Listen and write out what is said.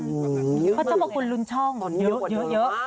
เพราะเจ้าพระคุณลุ้นช่องเยอะ